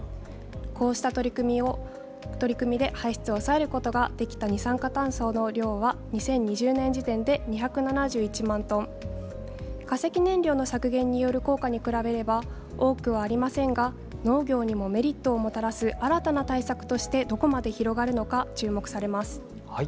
こうした取り組みで排出を抑えることができた二酸化炭素の量は２０２０年時点で２７１万トン、化石燃料の削減による効果に比べれば多くはありませんが農業にもメリットをもたらす新たな対策としてどこまで広がるのか注目されます。